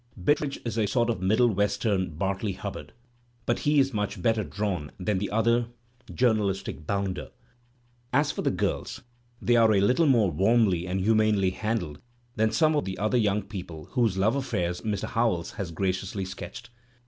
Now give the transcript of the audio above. Bittredge is a sort of middle western Bartley Hubbard, but he is much better drawn than the other journalistic bounder. As for the girls, they are a little more warmly and humanely handled than some of the other young people whose love affairs Mr. Howells has graciously sketched.